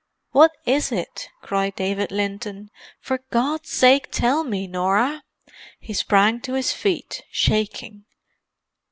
"What is it?" cried David Linton. "For God's sake tell me, Norah!" He sprang to his feet, shaking.